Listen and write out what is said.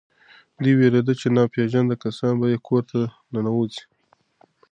دی وېرېده چې ناپېژانده کسان به یې کور ته ننوځي.